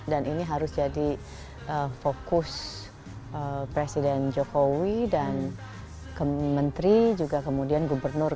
dan ini harus jadi fokus presiden jokowi dan kementri juga kemudian gubernur